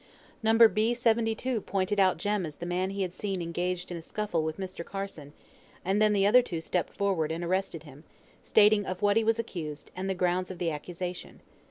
No. B. 72 pointed out Jem as the man he had seen engaged in a scuffle with Mr. Carson, and then the other two stepped forward and arrested him, stating of what he was accused, and the grounds of the accusation.